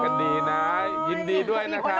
ก็ดีนะยินดีด้วยนะคะ